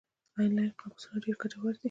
آنلاین قاموسونه ډېر ګټور دي.